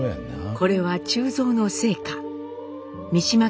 これは忠蔵の生家。